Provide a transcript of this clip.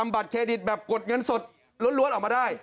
บัตรเงินสดล้วนออกมาได้